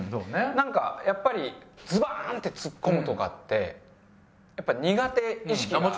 なんかやっぱりズバーンってツッコむとかってやっぱり苦手意識が。